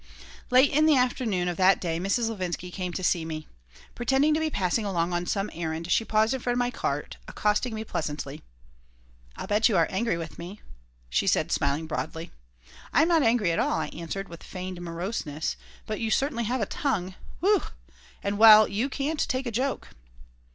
Late in the afternoon of that day Mrs. Levinsky came to see me. Pretending to be passing along on some errand, she paused in front of my cart, accosting me pleasantly "I'll bet you are angry with me," she said, smiling broadly "I am not angry at all," I answered, with feigned moroseness. "But you certainly have a tongue. Whew! And, well, you can't take a joke."